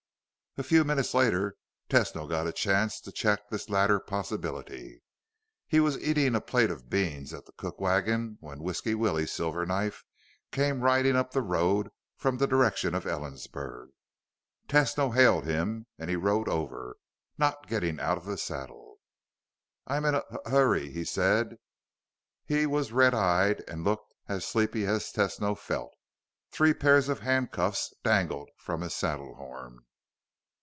A few minutes later, Tesno got a chance to check this latter possibility. He was eating a plate of beans at the cook wagon when Whisky Willie Silverknife came riding up the road from the direction of Ellensburg. Tesno hailed him, and he rode over, not getting out of the saddle. "I'm in a huh hurry," he said. He was red eyed and looked as sleepy as Tesno felt. Three pairs of handcuffs dangled from his saddlehorn.